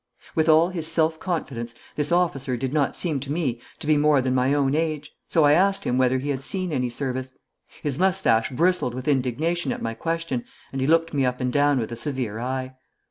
With all his self confidence, this officer did not seem to me to be more than my own age, so I asked him whether he had seen any service. His moustache bristled with indignation at my question, and he looked me up and down with a severe eye.